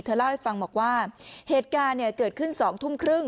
เล่าให้ฟังบอกว่าเหตุการณ์เกิดขึ้น๒ทุ่มครึ่ง